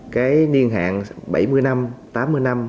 cái niên hạn bảy mươi năm tám mươi năm